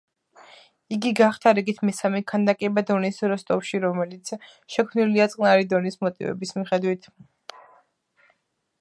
იგი გახდა რიგით მესამე ქანდაკება დონის როსტოვში რომელიც შექმნილია წყნარი დონის მოტივების მიხედვით.